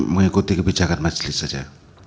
mengikuti kebijakan majelis saja